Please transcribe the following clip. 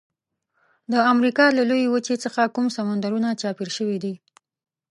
د امریکا له لویې وچې څخه کوم سمندرونه چاپیر شوي دي؟